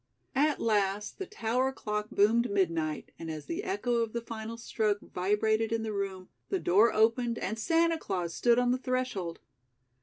At last the tower clock boomed midnight, and as the echo of the final stroke vibrated in the room, the door opened and Santa Claus stood on the threshold.